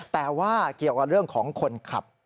แต่ว่าเกี่ยวกับเรื่องของคนขับ